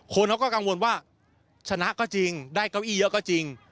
คนเขาก็กังวลว่าชนะก็จริงได้เก้าอี้เยอะก็จริง